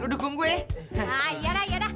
lu dukung gue ya